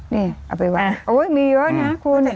นี่เอาไปว่าโอ้ยมีเยอะนะคุณ